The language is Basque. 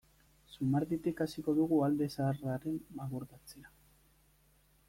Zumarditik hasiko dugu alde zaharraren abordatzea.